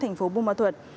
thành phố bù mơ thuật